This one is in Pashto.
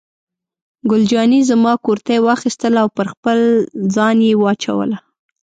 ګل جانې زما کورتۍ واخیستله او پر خپل ځان یې واچوله.